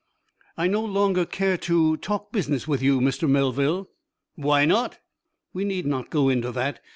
"I no longer care to talk business with you, Mr. Melville." "Why not?" "We need not go into that.